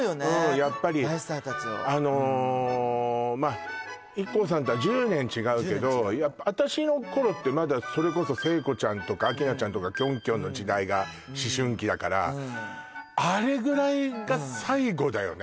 やっぱりあのまあＩＫＫＯさんとは１０年違うけど私の頃ってまだそれこそ聖子ちゃんとか明菜ちゃんとかキョンキョンの時代が思春期だからあれぐらいが最後だよね